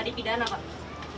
di pidana pak